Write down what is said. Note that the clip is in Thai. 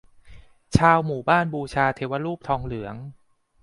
ชาวหมู่บ้านบูชาเทวรูปทองเหลือง